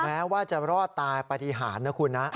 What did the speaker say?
แม้ว่าจะรอดตายปฏิหารนะคุณนะ